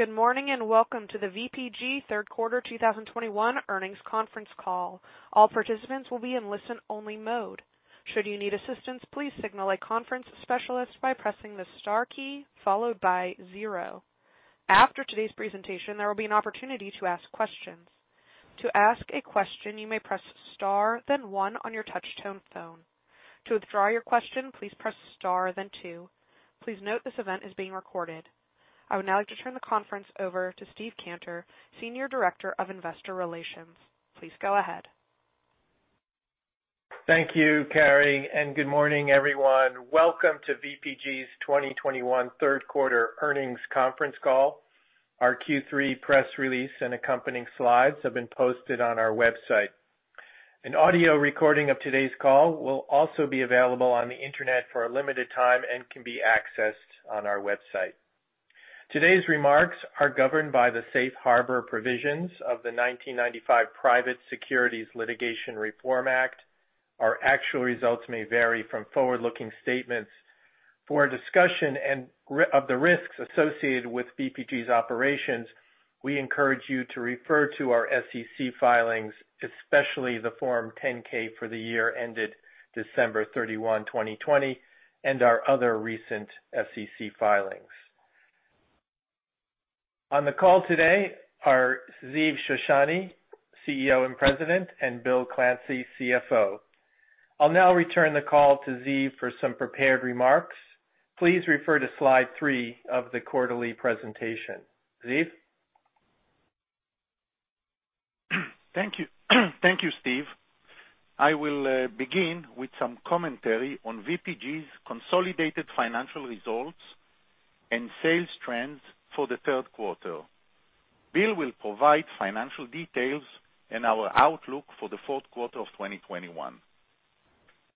Good morning, and welcome to the VPG Third Quarter 2021 Earnings Conference Call. All participants will be in listen-only mode. Should you need assistance, please signal a conference specialist by pressing the star key followed by zero. After today's presentation, there will be an opportunity to ask questions. To ask a question, you may press star then one on your touch-tone phone. To withdraw your question, please press star then two. Please note this event is being recorded. I would now like to turn the conference over to Steve Cantor, Senior Director of Investor Relations. Please go ahead. Thank you, Carrie, and good morning, everyone. Welcome to VPG's 2021 Third Quarter Earnings Conference Call. Our Q3 press release and accompanying slides have been posted on our website. An audio recording of today's call will also be available on the internet for a limited time and can be accessed on our website. Today's remarks are governed by the Safe Harbor provisions of the 1995 Private Securities Litigation Reform Act. Our actual results may vary from forward-looking statements. For a discussion of the risks associated with VPG's operations, we encourage you to refer to our SEC filings, especially the Form 10-K for the year ended December 31, 2020, and our other recent SEC filings. On the call today are Ziv Shoshani, CEO and President, and Bill Clancy, CFO. I'll now return the call to Ziv for some prepared remarks. Please refer to Slide Three of the quarterly presentation. Ziv? Thank you. Thank you, Steve. I will begin with some commentary on VPG's consolidated financial results and sales trends for the third quarter. Bill will provide financial details and our outlook for the fourth quarter of 2021.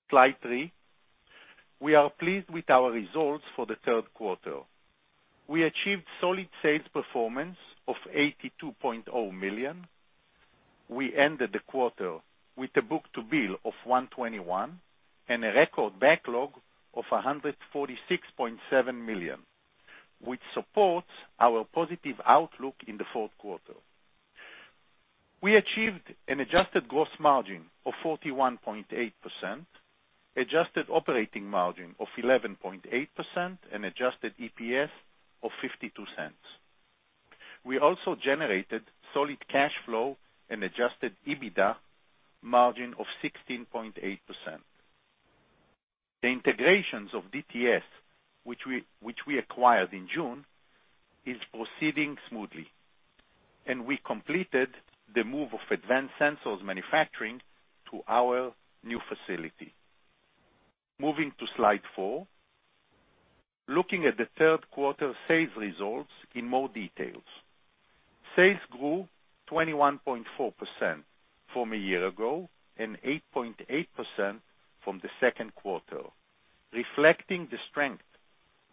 Slide Three. We are pleased with our results for the third quarter. We achieved solid sales performance of $82.0 million. We ended the quarter with a book-to-bill of 1.21 and a record backlog of $146.7 million, which supports our positive outlook in the fourth quarter. We achieved an adjusted gross margin of 41.8%, adjusted operating margin of 11.8%, and adjusted EPS of $0.52. We also generated solid cash flow and adjusted EBITDA margin of 16.8%. The integrations of DTS, which we acquired in June, is proceeding smoothly, and we completed the move of Advanced Sensors manufacturing to our new facility. Moving to Slide Four. Looking at the third quarter sales results in more details. Sales grew 21.4% from a year ago and 8.8% from the second quarter, reflecting the strength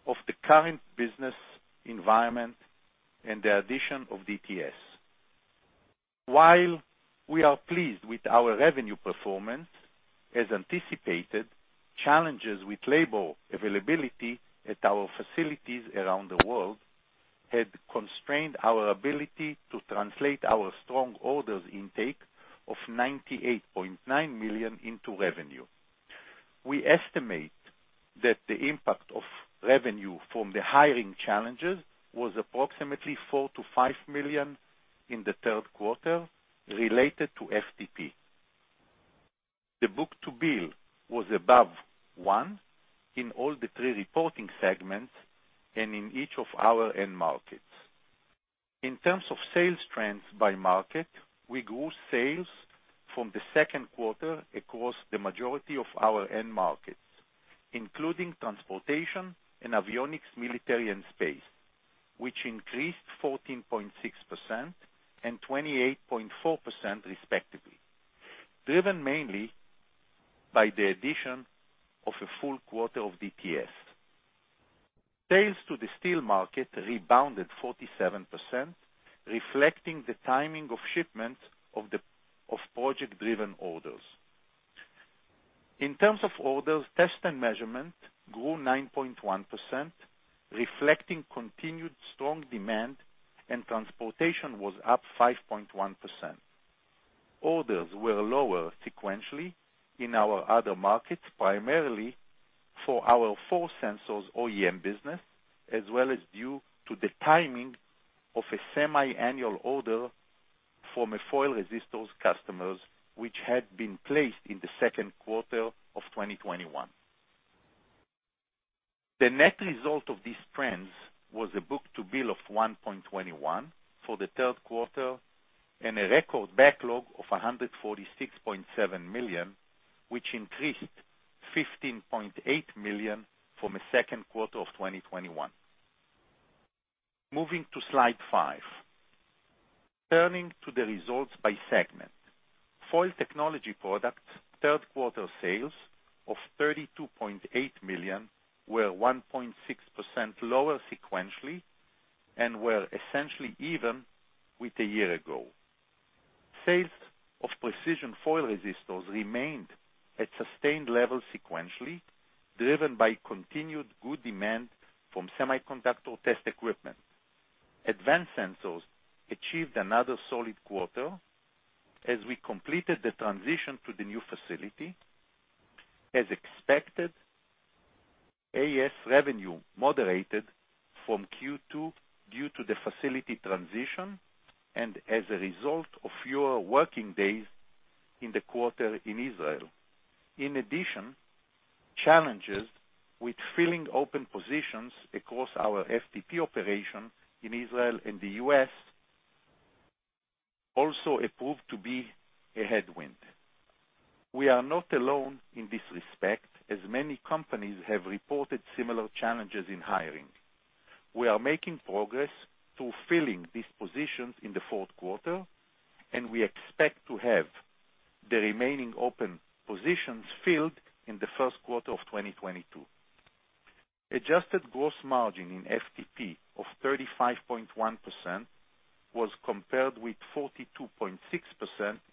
of the current business environment and the addition of DTS. While we are pleased with our revenue performance, as anticipated, challenges with labor availability at our facilities around the world had constrained our ability to translate our strong orders intake of $98.9 million into revenue. We estimate that the impact of revenue from the hiring challenges was approximately $4 million-$5 million in the third quarter related to FTP. The book-to-bill was above 1 in all three reporting segments and in each of our end markets. In terms of sales trends by market, we grew sales from the second quarter across the majority of our end markets, including transportation and avionics, military, and space, which increased 14.6% and 28.4% respectively, driven mainly by the addition of a full quarter of DTS. Sales to the steel market rebounded 47%, reflecting the timing of shipment of project-driven orders. In terms of orders, test and measurement grew 9.1%, reflecting continued strong demand, and transportation was up 5.1%. Orders were lower sequentially in our other markets, primarily for our Force Sensors OEM business, as well as due to the timing of a semiannual order from a foil resistors customers, which had been placed in the second quarter of 2021. The net result of these trends was a book-to-bill of 1.21 for the third quarter and a record backlog of $146.7 million, which increased $15.8 million from the second quarter of 2021. Moving to Slide Five. Turning to the results by segment. Foil technology products third quarter sales of $32.8 million were 1.6% lower sequentially and were essentially even with a year ago. Sales of precision foil resistors remained at sustained levels sequentially, driven by continued good demand from semiconductor test equipment. Advanced Sensors achieved another solid quarter as we completed the transition to the new facility. As expected, AS revenue moderated from Q2 due to the facility transition and as a result of fewer working days in the quarter in Israel. In addition, challenges with filling open positions across our FTP operation in Israel and the U.S. also proved to be a headwind. We are not alone in this respect, as many companies have reported similar challenges in hiring. We are making progress through filling these positions in the fourth quarter, and we expect to have the remaining open positions filled in the first quarter of 2022. Adjusted gross margin in FTP of 35.1% was compared with 42.6%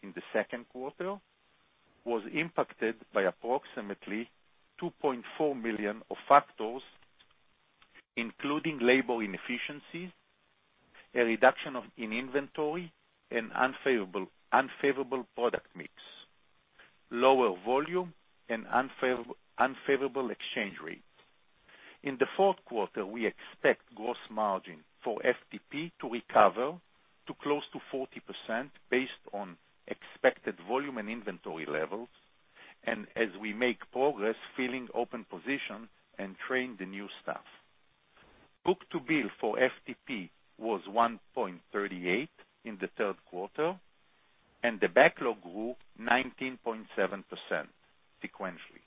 in the second quarter, was impacted by approximately $2.4 million of factors, including labor inefficiencies, a reduction in inventory and unfavorable product mix, lower volume and unfavorable exchange rate. In the fourth quarter, we expect gross margin for FTP to recover to close to 40% based on expected volume and inventory levels, and as we make progress filling open positions and train the new staff. Book-to-bill for FTP was 1.38 in the third quarter, and the backlog grew 19.7% sequentially,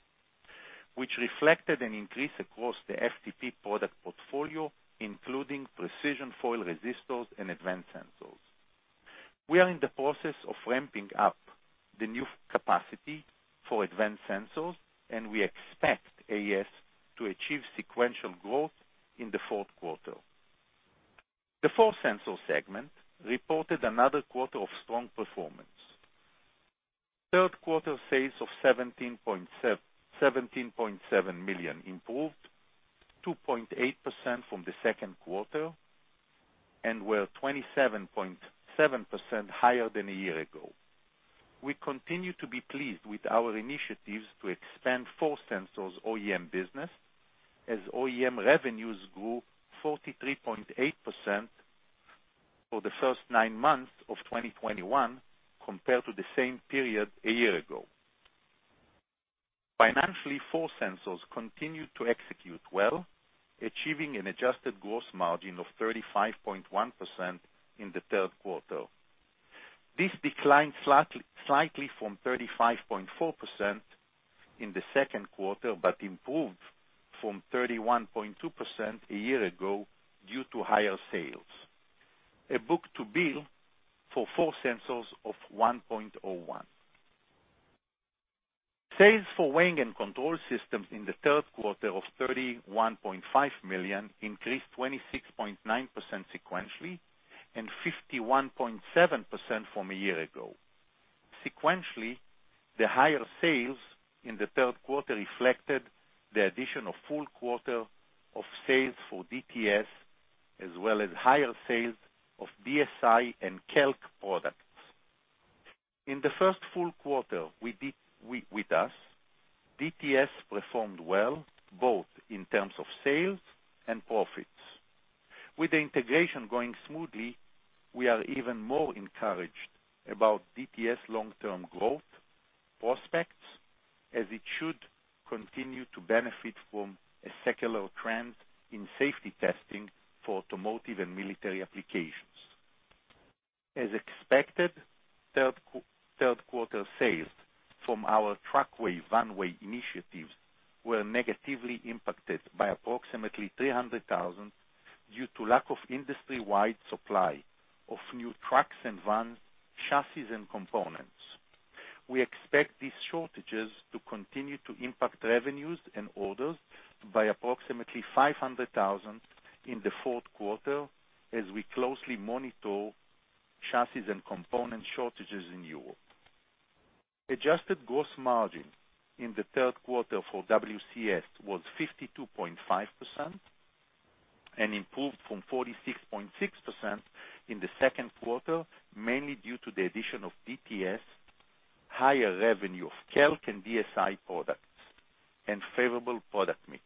which reflected an increase across the FTP product portfolio, including precision foil resistors and Advanced Sensors. We are in the process of ramping up the new capacity for Advanced Sensors, and we expect AS to achieve sequential growth in the fourth quarter. The Force Sensors segment reported another quarter of strong performance. Third quarter sales of $17.7 million improved 2.8% from the second quarter and were 27.7% higher than a year ago. We continue to be pleased with our initiatives to expand Force Sensors OEM business as OEM revenues grew 43.8% for the first nine months of 2021 compared to the same period a year ago. Financially, Force Sensors continued to execute well, achieving an adjusted gross margin of 35.1% in the third quarter. This declined slightly from 35.4% in the second quarter, but improved from 31.2% a year ago due to higher sales. Book-to-bill for Force Sensors of 1.01. Sales for weighing and control systems in the third quarter of $31.5 million increased 26.9% sequentially and 51.7% from a year ago. Sequentially, the higher sales in the third quarter reflected the addition of full quarter of sales for DTS, as well as higher sales of DSI and KELK products. In the first full quarter with us, DTS performed well both in terms of sales and profits. With the integration going smoothly, we are even more encouraged about DTS long-term growth prospects, as it should continue to benefit from a secular trend in safety testing for automotive and military applications. As expected, third quarter sales from our TruckWeigh/VanWeigh initiatives were negatively impacted by approximately $300,000 due to lack of industry-wide supply of new trucks and van chassis and components. We expect these shortages to continue to impact revenues and orders by approximately $500,000 in the fourth quarter as we closely monitor chassis and component shortages in Europe. Adjusted gross margin in the third quarter for WCS was 52.5% and improved from 46.6% in the second quarter, mainly due to the addition of DTS, higher revenue of KELK and DSI products, and favorable product mix.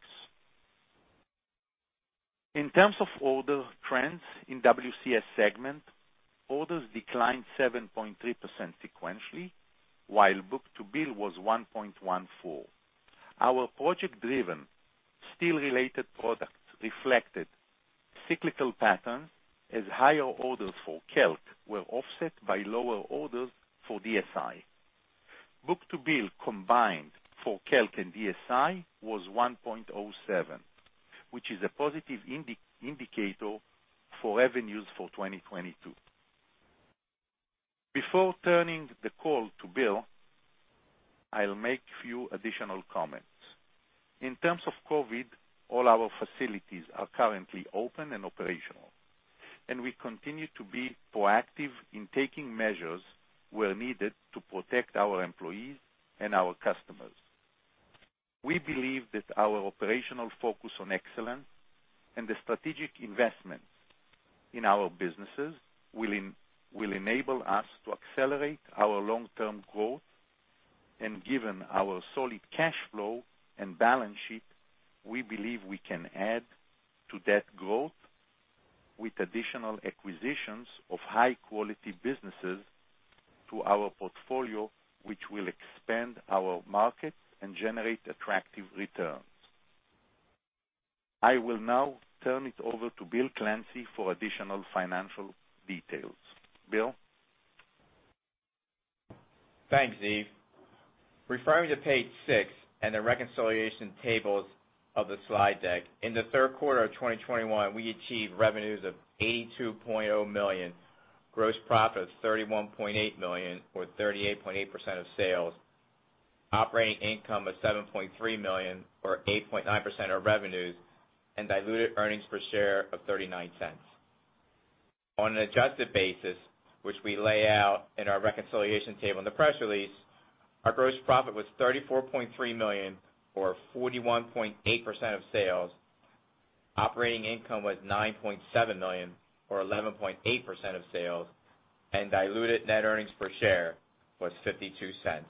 In terms of order trends in WCS segment, orders declined 7.3% sequentially, while book-to-bill was 1.14. Our project-driven steel-related products reflected cyclical patterns as higher orders for KELK were offset by lower orders for DSI. Book-to-bill combined for KELK and DSI was 1.07, which is a positive indicator for revenues for 2022. Before turning the call to Bill, I'll make few additional comments. In terms of COVID, all our facilities are currently open and operational, and we continue to be proactive in taking measures where needed to protect our employees and our customers. We believe that our operational focus on excellence and the strategic investments in our businesses will enable us to accelerate our long-term growth. Given our solid cash flow and balance sheet, we believe we can add to that growth with additional acquisitions of high quality businesses to our portfolio, which will expand our markets and generate attractive returns. I will now turn it over to Bill Clancy for additional financial details. Bill? Thanks, Ziv. Referring to page six and the reconciliation tables of the slide deck, in the third quarter of 2021, we achieved revenues of $82.0 million, gross profit of $31.8 million, or 38.8% of sales. Operating income of $7.3 million, or 8.9% of revenues, and diluted earnings per share of $0.39. On an adjusted basis, which we lay out in our reconciliation table in the press release, our gross profit was $34.3 million, or 41.8% of sales. Operating income was $9.7 million, or 11.8% of sales, and diluted net earnings per share was $0.52.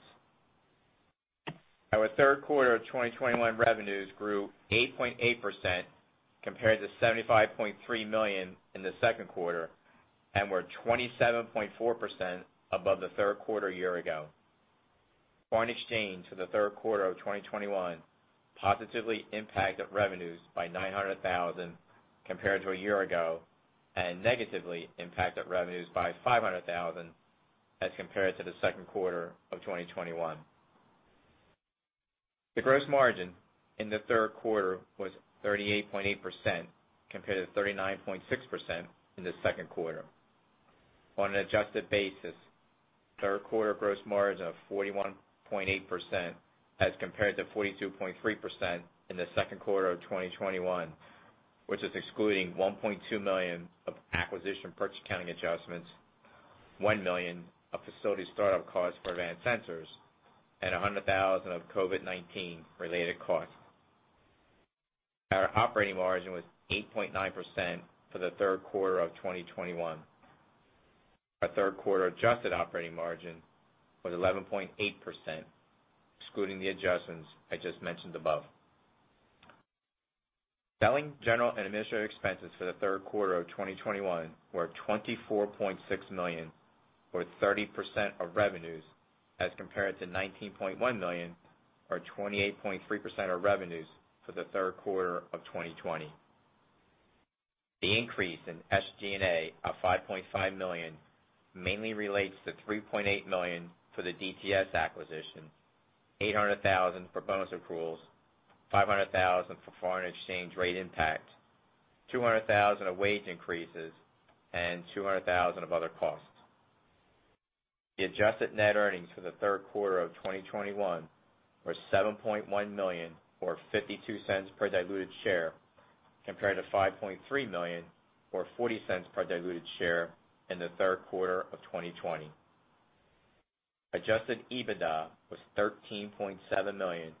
Our third quarter of 2021 revenues grew 8.8% compared to $75.3 million in the second quarter, and were 27.4% above the third quarter a year ago. Foreign exchange for the third quarter of 2021 positively impacted revenues by $900,000 compared to a year ago, and negatively impacted revenues by $500,000 as compared to the second quarter of 2021. The gross margin in the third quarter was 38.8% compared to 39.6% in the second quarter. On an adjusted basis, third quarter gross margin of 41.8% as compared to 42.3% in the second quarter of 2021, which is excluding $1.2 million of acquisition purchase accounting adjustments, $1 million of facility startup costs for Advanced Sensors, and $100,000 of COVID-19 related costs. Our operating margin was 8.9% for the third quarter of 2021. Our third quarter adjusted operating margin was 11.8%, excluding the adjustments I just mentioned above. Selling, general, and administrative expenses for the third quarter of 2021 were $24.6 million or 30% of revenues, as compared to $19.1 million or 28.3% of revenues for the third quarter of 2020. The increase in SG&A of $5.5 million mainly relates to $3.8 million for the DTS acquisition, $800,000 for bonus accruals, $500,000 for foreign exchange rate impact, $200,000 of wage increases, and $200,000 of other costs. The adjusted net earnings for the third quarter of 2021 were $7.1 million or $0.52 per diluted share, compared to $5.3 million or $0.40 per diluted share in the third quarter of 2020. Adjusted EBITDA was $13.7 million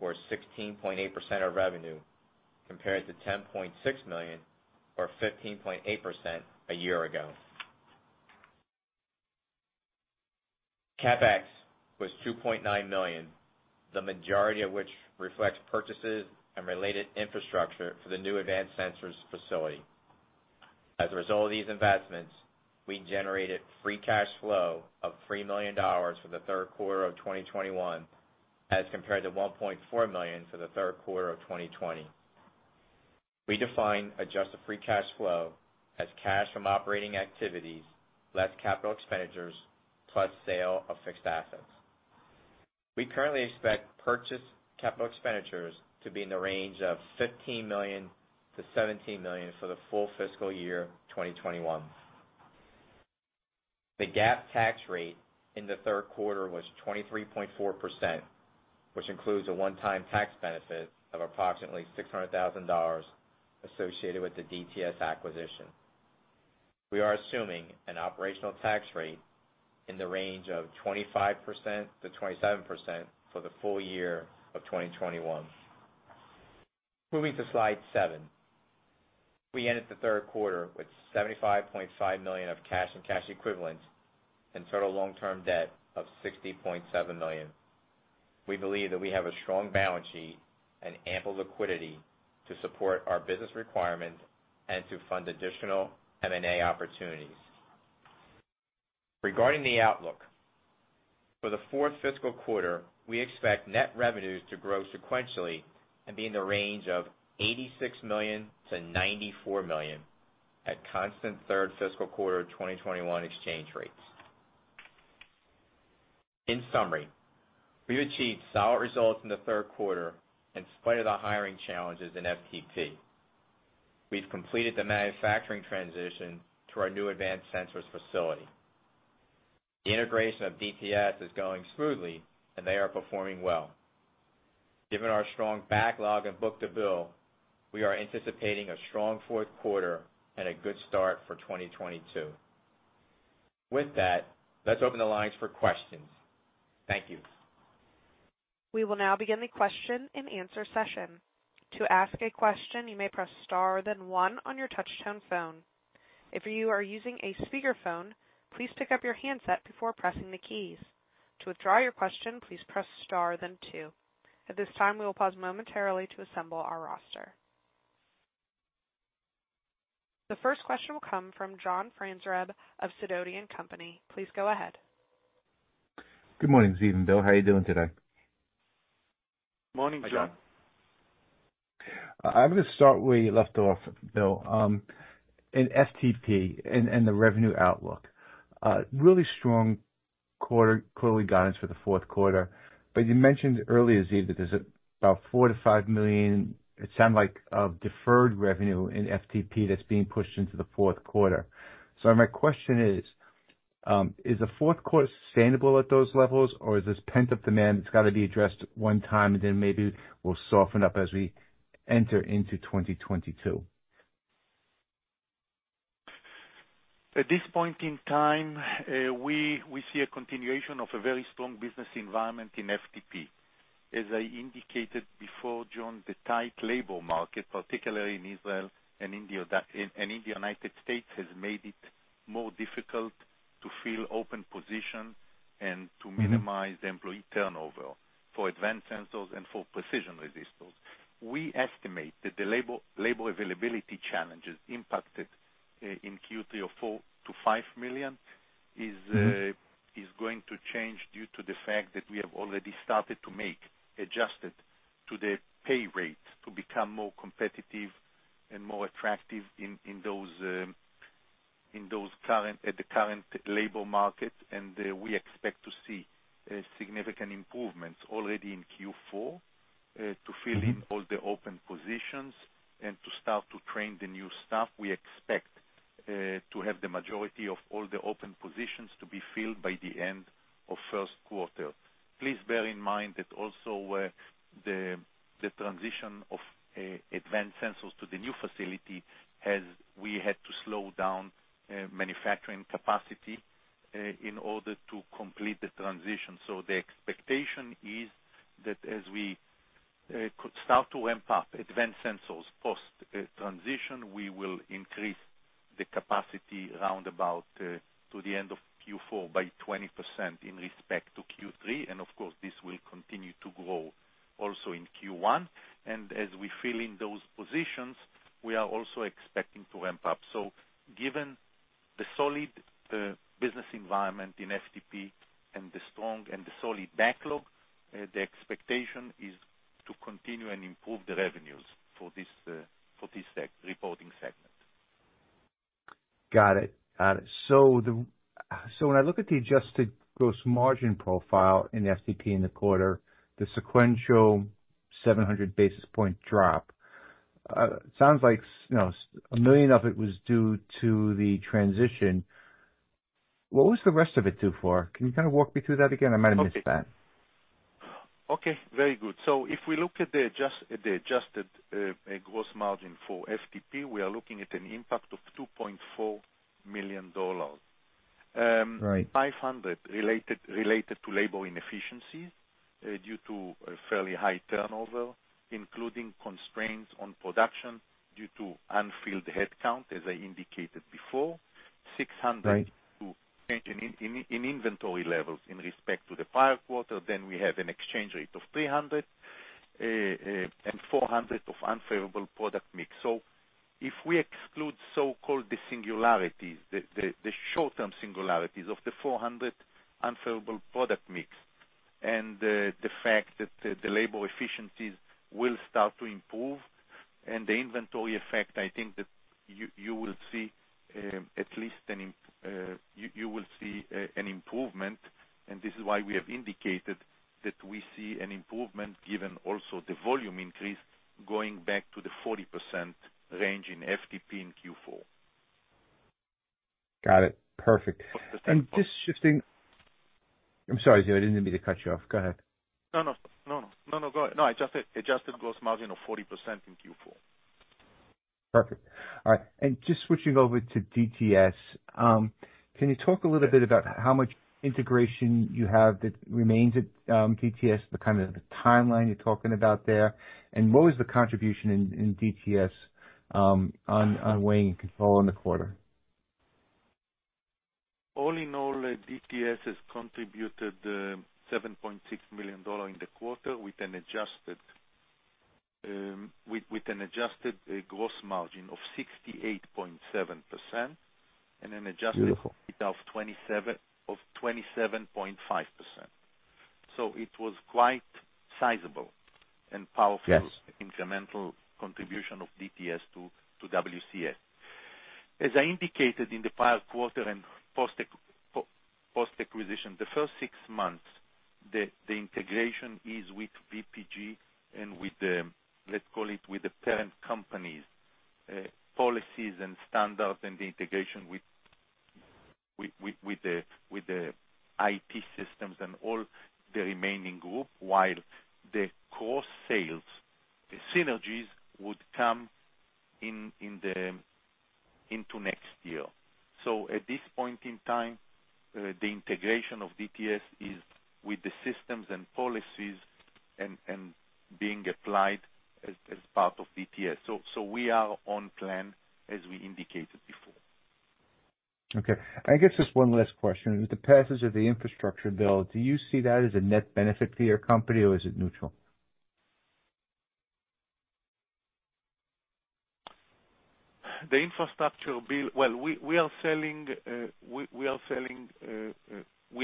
or 16.8% of revenue, compared to $10.6 million or 15.8% a year ago. CapEx was $2.9 million, the majority of which reflects purchases and related infrastructure for the new Advanced Sensors facility. As a result of these investments, we generated free cash flow of $3 million for the third quarter of 2021, as compared to $1.4 million for the third quarter of 2020. We define adjusted free cash flow as cash from operating activities, less capital expenditures, plus sales of fixed assets. We currently expect capital expenditures to be in the range of $15 million-$17 million for the full fiscal year 2021. The GAAP tax rate in the third quarter was 23.4%, which includes a one-time tax benefit of approximately $600,000 associated with the DTS acquisition. We are assuming an operational tax rate in the range of 25%-27% for the full year of 2021. Moving to Slide Seven. We ended the third quarter with $75.5 million of cash and cash equivalents and total long-term debt of $60.7 million. We believe that we have a strong balance sheet and ample liquidity to support our business requirements and to fund additional M&A opportunities. Regarding the outlook, for the fourth fiscal quarter, we expect net revenues to grow sequentially and be in the range of $86 million-$94 million at constant third fiscal quarter of 2021 exchange rates. In summary, we've achieved solid results in the third quarter in spite of the hiring challenges in FTP. We've completed the manufacturing transition to our new Advanced Sensors facility. The integration of DTS is going smoothly, and they are performing well. Given our strong backlog and book-to-bill, we are anticipating a strong fourth quarter and a good start for 2022. With that, let's open the lines for questions. Thank you. We will now begin the question-and-answer session. To ask a question, you may press star, then one on your touchtone phone. If you are using a speakerphone, please pick up your handset before pressing the keys. To withdraw your question, please press star then two. At this time, we will pause momentarily to assemble our roster. The first question will come from John Franzreb of Sidoti & Company. Please go ahead. Good morning, Ziv and Bill. How are you doing today? Morning, John. I'm gonna start where you left off, Bill, in FTP and the revenue outlook. Really strong quarterly guidance for the fourth quarter. You mentioned earlier, Ziv, that there's about $4 million-$5 million, it sounds like, of deferred revenue in FTP that's being pushed into the fourth quarter. My question is the fourth quarter sustainable at those levels, or is this pent-up demand that's got to be addressed one time and then maybe will soften up as we enter into 2022? At this point in time, we see a continuation of a very strong business environment in FTP. As I indicated before, John, the tight labor market, particularly in Israel and India and in the United States, has made it more difficult to fill open positions and to minimize employee turnover for Advanced Sensors and for precision resistors. We estimate that the labor availability challenges impacted in Q3 by $4 million-$5 million is going to change due to the fact that we have already started to make adjusted to the pay rates to become more competitive and more attractive in those current at the current labor market. We expect to see significant improvements already in Q4 to fill in all the open positions and to start to train the new staff. We expect to have the majority of all the open positions to be filled by the end of first quarter. Please bear in mind that also, the transition of Advanced Sensors to the new facility we had to slow down manufacturing capacity in order to complete the transition. The expectation is that as we could start to ramp up Advanced Sensors post transition, we will increase the capacity around about to the end of Q4 by 20% in respect to Q3. Of course, this will continue to grow also in Q1. As we fill in those positions, we are also expecting to ramp up. Given the solid business environment in FTP and the strong and solid backlog, the expectation is to continue and improve the revenues for this reporting segment. Got it. When I look at the adjusted gross margin profile in FTP in the quarter, the sequential 700 basis point drop sounds like, you know, 100 of it was due to the transition. What was the rest of it due to? Can you kind of walk me through that again? I might have missed that. Okay. Very good. If we look at the adjusted gross margin for FTP, we are looking at an impact of $2.4 million. Right. $500 related to labor inefficiency due to a fairly high turnover, including constraints on production due to unfilled headcount, as I indicated before. Right. $600 change in inventory levels with respect to the prior quarter. We have an exchange rate of $300 and $400 of unfavorable product mix. If we exclude so-called the singularities, the short-term singularities of the $400 unfavorable product mix and the fact that the labor efficiencies will start to improve and the inventory effect, I think that you will see at least an improvement. This is why we have indicated that we see an improvement given also the volume increase going back to the 40% range in FTP in Q4. Got it. Perfect. Just shifting. I'm sorry, Ziv, I didn't mean to cut you off. Go ahead. No, no, go ahead. No, adjusted gross margin of 40% in Q4. Perfect. All right. Just switching over to DTS, can you talk a little bit about how much integration you have that remains at DTS, the kind of the timeline you're talking about there? What was the contribution in DTS on weighing control in the quarter? All in all, DTS has contributed $7.6 million in the quarter with an adjusted gross margin of 68.7% and an adjusted- Beautiful. Of 27%, of 27.5%. It was quite sizable and powerful. Yes. Incremental contribution of DTS to WCS. As I indicated in the prior quarter and post acquisition, the first six months, the integration is with VPG and with the, let's call it, with the parent company's policies and standards and the integration with the IT systems and all the remaining group, while the cross sales synergies would come into next year. At this point in time, the integration of DTS is with the systems and policies and being applied as part of DTS. We are on plan as we indicated before. Okay. I guess just one last question. With the passage of the infrastructure bill, do you see that as a net benefit to your company, or is it neutral? The infrastructure bill. Well, we are selling. We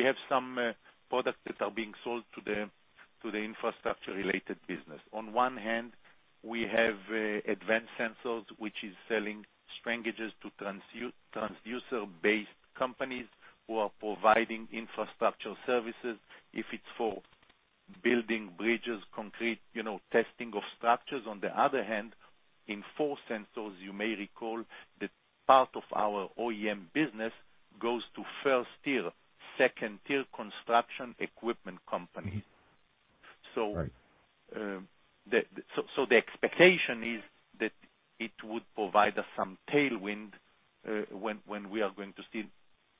have some products that are being sold to the infrastructure-related business. On one hand, we have Advanced Sensors, which is selling strain gauges to transducer-based companies who are providing infrastructure services, if it's for building bridges, concrete, you know, testing of structures. On the other hand, in Force Sensors, you may recall that part of our OEM business goes to first tier, second tier construction equipment companies. Mm-hmm. Right. The expectation is that it would provide us some tailwind when we are going to see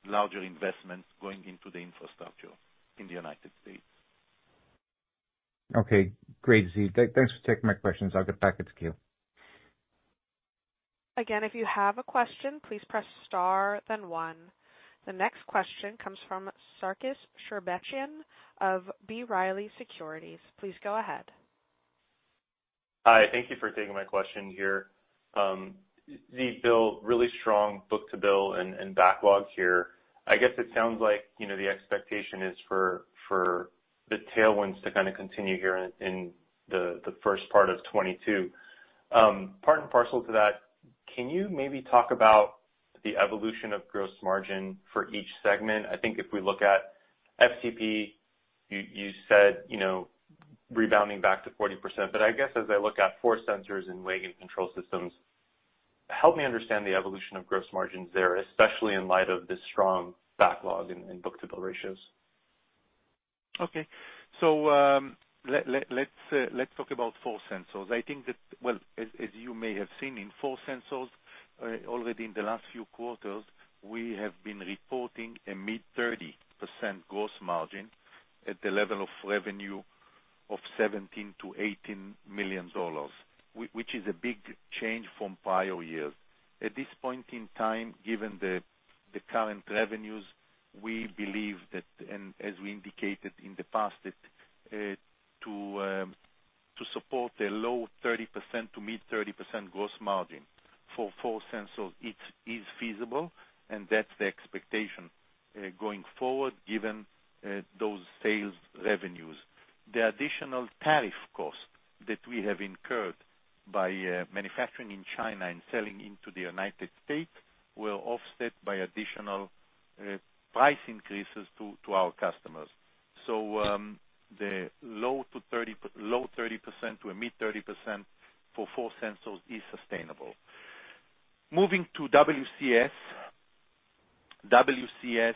larger investments going into the infrastructure in the United States. Okay, great, Ziv. Thanks for taking my questions. I'll get back into queue. Again, if you have a question, please press star then one. The next question comes from Sarkis Sherbetchyan of B. Riley Securities. Please go ahead. Hi. Thank you for taking my question here. Ziv, Bill, really strong book-to-bill and backlog here. I guess it sounds like, you know, the expectation is for the tailwinds to kind of continue here in the first part of 2022. Part and parcel to that, can you maybe talk about the evolution of gross margin for each segment? I think if we look at FTP, you said, you know, rebounding back to 40%. But I guess as I look at Force Sensors in Weighing and Control Systems, help me understand the evolution of gross margins there, especially in light of the strong backlog and book-to-bill ratios. Okay. Let's talk about Force Sensors. I think that. Well, you may have seen in Force Sensors already in the last few quarters, we have been reporting a mid-30% gross margin at the level of revenue of $17 million-$18 million, which is a big change from prior years. At this point in time, given the current revenues, we believe that, and as we indicated in the past, that to support a low-30% to mid-30% gross margin for Force Sensors, it is feasible, and that's the expectation going forward, given those sales revenues. The additional tariff cost that we have incurred by manufacturing in China and selling into the United States will be offset by additional price increases to our customers. The low- to 30%-low 30% to a mid-30% for Force Sensors is sustainable. Moving to WCS. WCS,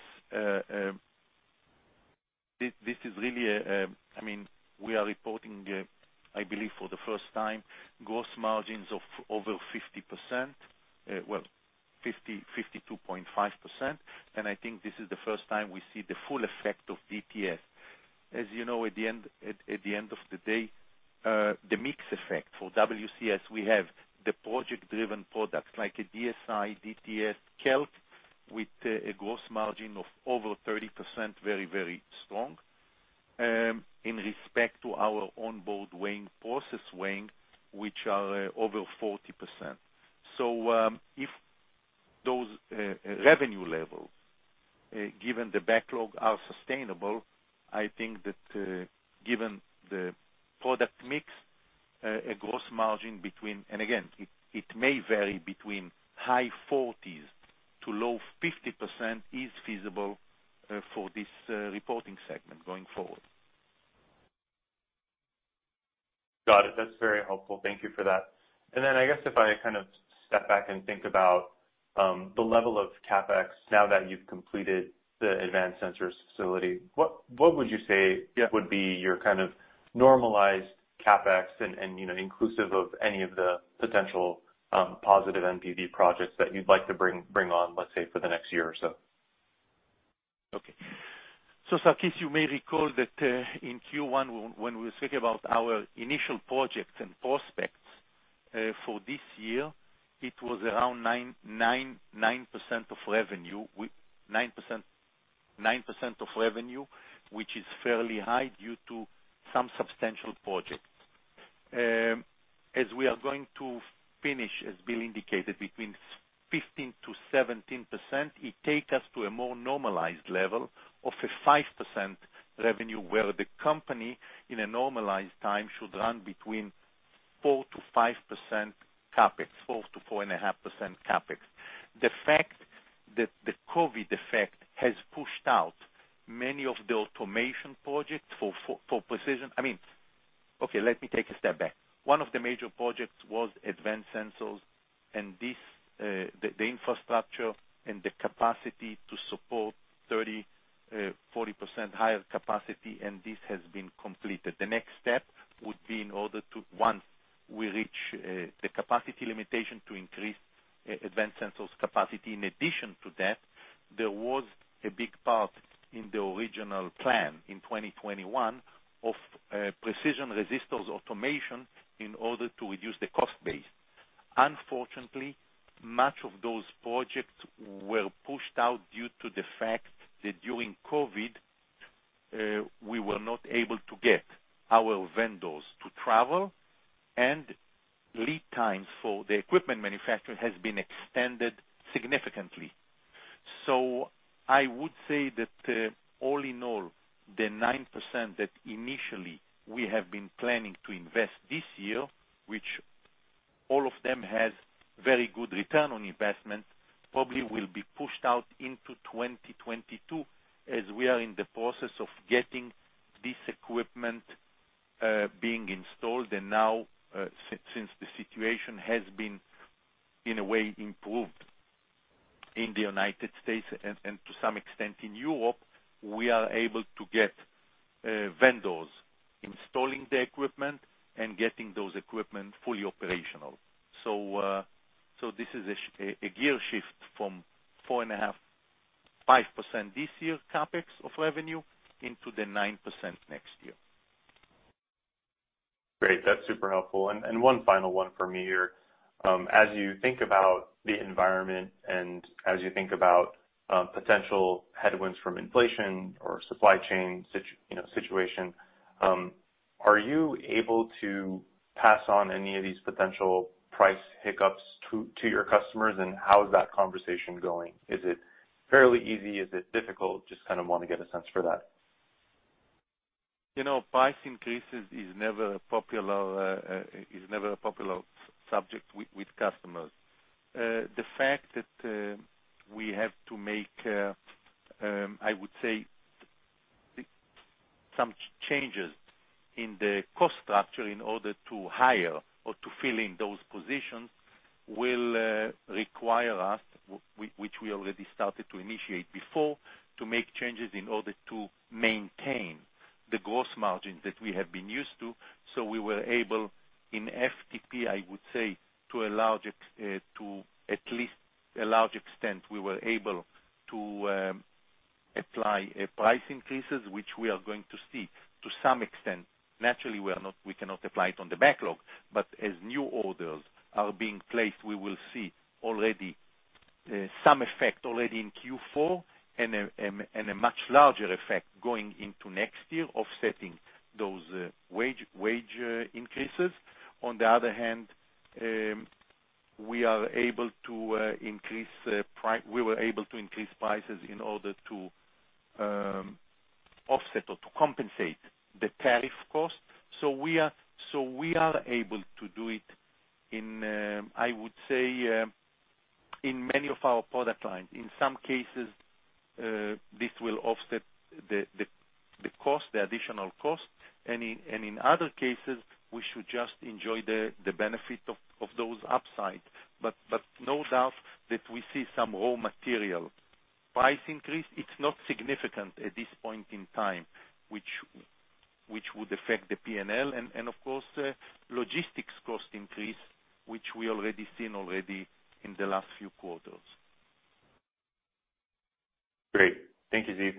this is really, I mean, we are reporting, I believe for the first time, gross margins of over 50%, well, 52.5%, and I think this is the first time we see the full effect of DTS. As you know, at the end of the day, the mix effect for WCS, we have the project-driven products like DSI, DTS, KELK, with a gross margin of over 30%, very strong, in respect to our onboard weighing, process weighing, which are over 40%. If those revenue levels, given the backlog, are sustainable, I think that, given the product mix, a gross margin between high 40%s and low 50%s is feasible for this reporting segment going forward. Got it. That's very helpful. Thank you for that. I guess if I kind of step back and think about the level of CapEx now that you've completed the Advanced Sensors facility, what would you say- Yeah. Would be your kind of normalized CapEx and, you know, inclusive of any of the potential positive NPV projects that you'd like to bring on, let's say, for the next year or so? Sarkis, you may recall that in Q1, when we were speaking about our initial projects and prospects for this year, it was around 9% of revenue. 9% of revenue, which is fairly high due to some substantial projects. As we are going to finish, as Bill indicated, between 15%-17%, it take us to a more normalized level of a 5% revenue, where the company, in a normalized time, should run between 4%-5% CapEx, 4%-4.5% CapEx. The fact that the COVID-19 effect has pushed out many of the automation projects for precision. I mean, okay, let me take a step back. One of the major projects was Advanced Sensors, and this, the infrastructure and the capacity to support 30%-40% higher capacity, and this has been completed. The next step would be in order to once we reach the capacity limitation to increase Advanced Sensors capacity. In addition to that, there was a big part in the original plan in 2021 of precision resistors automation in order to reduce the cost base. Unfortunately, much of those projects were pushed out due to the fact that during COVID we were not able to get our vendors to travel, and lead times for the equipment manufacturer has been extended significantly. I would say that, all in all, the 9% that initially we have been planning to invest this year, which all of them has very good return on investment, probably will be pushed out into 2022 as we are in the process of getting this equipment being installed. Now, since the situation has been, in a way, improved in the United States and to some extent in Europe, we are able to get vendors installing the equipment and getting those equipment fully operational. This is a gear shift from 4.5%-5% this year CapEx of revenue into the 9% next year. Great. That's super helpful. One final one for me here. As you think about the environment and potential headwinds from inflation or supply chain situation, are you able to pass on any of these potential price hiccups to your customers? And how is that conversation going? Is it fairly easy? Is it difficult? Just kind of wanna get a sense for that. You know, price increases is never a popular subject with customers. The fact that we have to make, I would say some changes in the cost structure in order to hire or to fill in those positions will require us, which we already started to initiate before, to make changes in order to maintain the gross margins that we have been used to. We were able in FTP, I would say, to at least a large extent, we were able to apply price increases, which we are going to seek to some extent. Naturally, we cannot apply it on the backlog, but as new orders are being placed, we will see already some effect already in Q4 and a much larger effect going into next year, offsetting those wage increases. On the other hand, we were able to increase prices in order to offset or to compensate the tariff costs. We are able to do it in, I would say, in many of our product lines. In some cases, this will offset the additional cost, and in other cases, we should just enjoy the benefit of those upside. No doubt that we see some raw material price increase. It's not significant at this point in time, which would affect the P&L, and of course, logistics cost increase, which we already seen in the last few quarters. Great. Thank you, Ziv.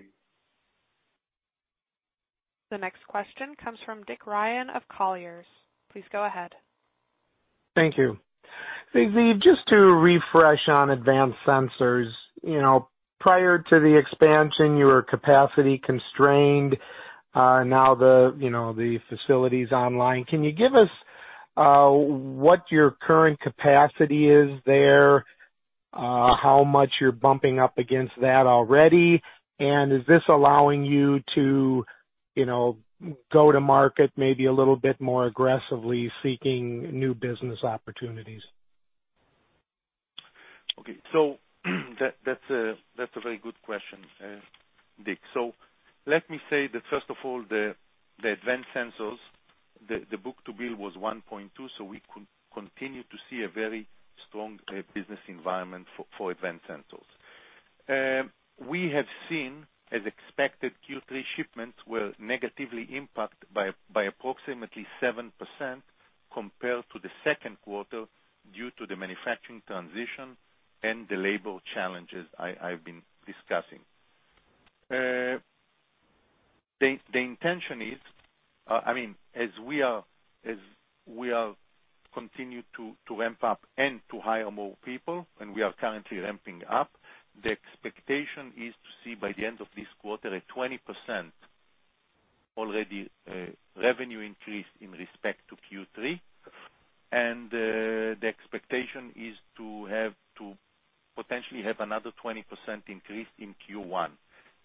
The next question comes from Dick Ryan of Colliers. Please go ahead. Thank you. Ziv, just to refresh on Advanced Sensors, you know, prior to the expansion, you were capacity constrained. Now, you know, the facility's online. Can you give us what your current capacity is there? How much you're bumping up against that already? And is this allowing you to, you know, go to market maybe a little bit more aggressively seeking new business opportunities? Okay. That's a very good question, Dick. Let me say that first of all, the advanced sensors, the book-to-bill was 1.2, so we continue to see a very strong business environment for Advanced Sensors. We have seen, as expected, Q3 shipments were negatively impact by approximately 7% compared to the second quarter due to the manufacturing transition and the labor challenges I've been discussing. The intention is, I mean, as we continue to ramp up and to hire more people, and we are currently ramping up, the expectation is to see by the end of this quarter a 20% already revenue increase in respect to Q3. The expectation is to potentially have another 20% increase in Q1.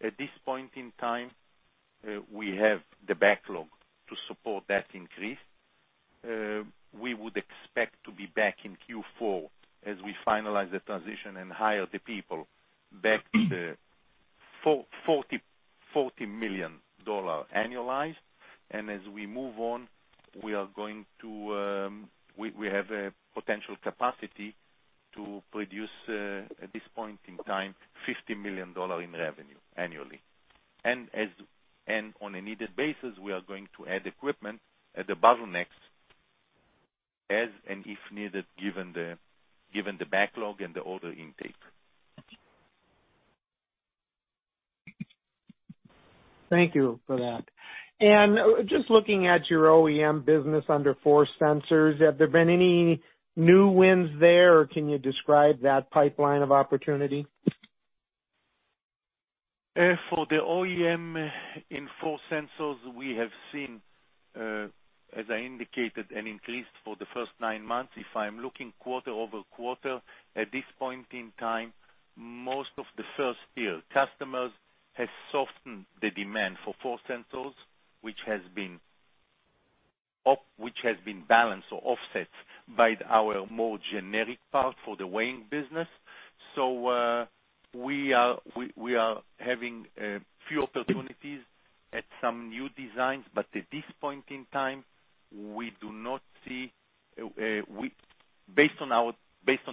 At this point in time, we have the backlog to support that increase. We would expect to be back in Q4 as we finalize the transition and hire the people back to the $40 million annualized. As we move on, we have a potential capacity to produce, at this point in time, $50 million in revenue annually. On a needed basis, we are going to add equipment at the bottlenecks as and if needed, given the backlog and the order intake. Thank you for that. Just looking at your OEM business under Force Sensors, have there been any new wins there or can you describe that pipeline of opportunity? For the OEM in Force Sensors, we have seen, as I indicated, an increase for the first nine months. If I'm looking quarter-over-quarter, at this point in time, most of the first tier customers has softened the demand for Force Sensors, which has been balanced or offset by our more generic part for the weighing business. We are having a few opportunities at some new designs, but at this point in time, we do not see based on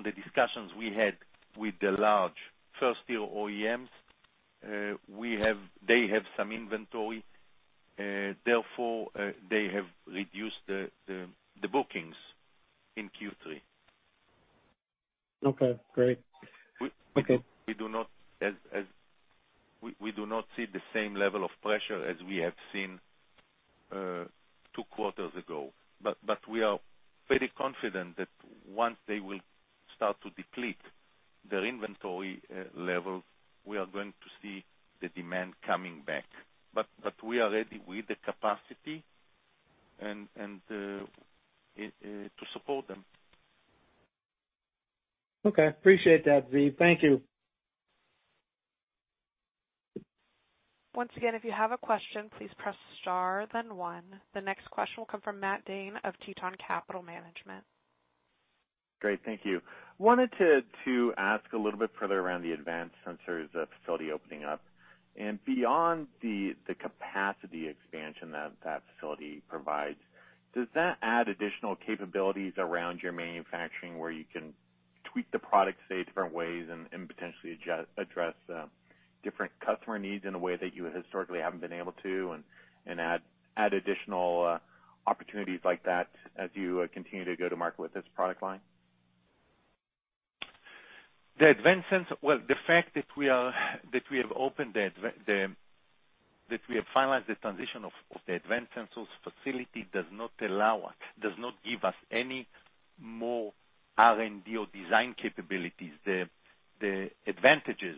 the discussions we had with the large first tier OEMs, they have some inventory and therefore, they have reduced the bookings in Q3. Okay, great. Okay. We do not see the same level of pressure as we have seen two quarters ago. We are very confident that once they will start to deplete their inventory level, we are going to see the demand coming back. We are ready with the capacity to support them. Okay. Appreciate that, Ziv. Thank you. The next question will come from Matt Dane of Tieton Capital Management. Great. Thank you. Wanted to ask a little bit further around the Advanced Sensors facility opening up. Beyond the capacity expansion that facility provides, does that add additional capabilities around your manufacturing where you can tweak the product, say, different ways and potentially adjust or address different customer needs in a way that you historically haven't been able to and add additional opportunities like that as you continue to go to market with this product line? Well, the fact that we have finalized the transition of the Advanced Sensors facility does not allow us, does not give us any more R&D or design capabilities. The advantages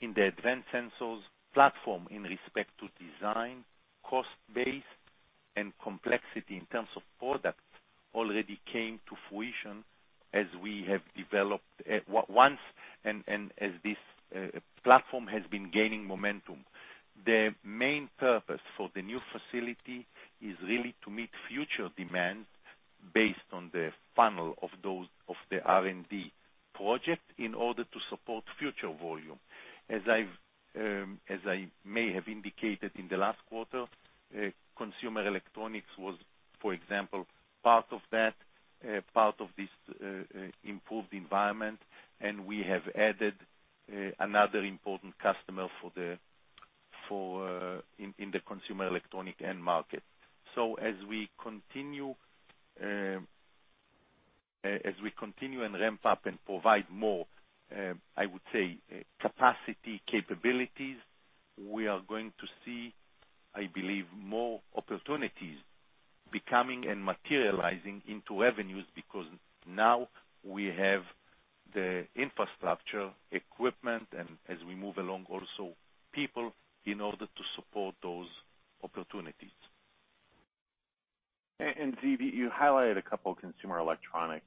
in the Advanced Sensors platform in respect to design, cost base, and complexity in terms of product already came to fruition as we have developed once and as this platform has been gaining momentum. The main purpose for the new facility is really to meet future demands based on the funnel of the R&D project in order to support future volume. As I may have indicated in the last quarter, consumer electronics was, for example, part of this improved environment, and we have added another important customer in the consumer electronic end market. As we continue and ramp up and provide more capacity capabilities, I would say, we are going to see, I believe, more opportunities becoming and materializing into revenues because now we have the infrastructure, equipment, and as we move along, also people, in order to support those opportunities. Ziv, you highlighted a couple of consumer electronics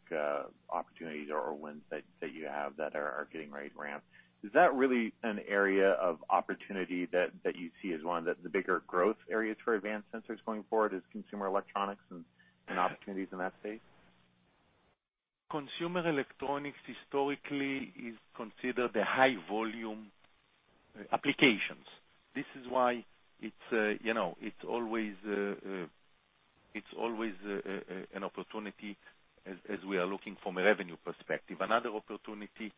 opportunities or wins that you have that are getting ready to ramp. Is that really an area of opportunity that you see as one that the bigger growth areas for Advanced Sensors going forward is consumer electronics and opportunities in that space? Consumer electronics historically is considered the high volume applications. This is why it's, you know, it's always an opportunity as we are looking from a revenue perspective. Another opportunity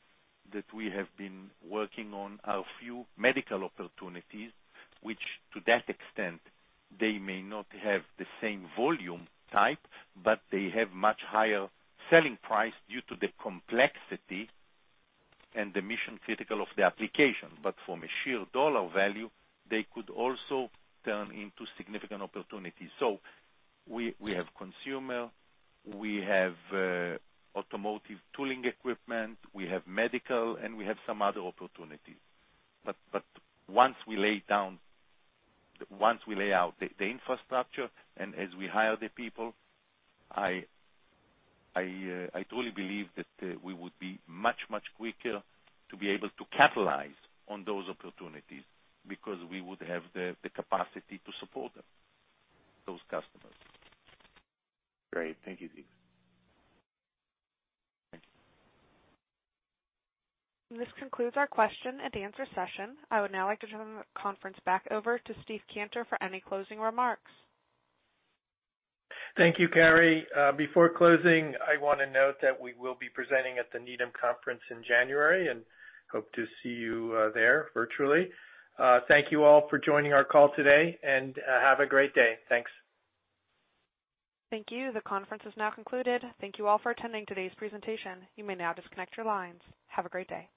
that we have been working on are few medical opportunities, which to that extent, they may not have the same volume type, but they have much higher selling price due to the complexity and the mission critical of the application. But from a sheer dollar value, they could also turn into significant opportunities. We have consumer, we have automotive tooling equipment, we have medical, and we have some other opportunities. Once we lay out the infrastructure and as we hire the people, I truly believe that we would be much quicker to be able to capitalize on those opportunities because we would have the capacity to support them, those customers. Great. Thank you, Ziv. Thank you. This concludes our question and answer session. I would now like to turn the conference back over to Steve Cantor for any closing remarks. Thank you, Carrie. Before closing, I wanna note that we will be presenting at the Needham Conference in January, and hope to see you there virtually. Thank you all for joining our call today, and have a great day. Thanks. Thank you. The conference is now concluded. Thank you all for attending today's presentation. You may now disconnect your lines. Have a great day.